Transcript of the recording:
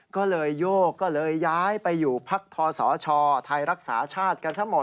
ก็เลยโยกก็เลยย้ายไปอยู่พักทศชไทยรักษาชาติกันทั้งหมด